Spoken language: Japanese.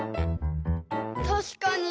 たしかに。